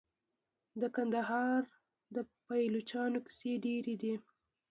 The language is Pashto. د کندهار د پایلوچانو کیسې ډیرې دي.